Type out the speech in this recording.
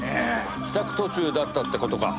帰宅途中だったって事か。